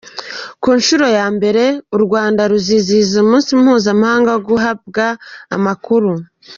Ku nshuro ya mbere u Rwanda ruzizihiza umunsi mpuzamahanga wo guhabwa amakuru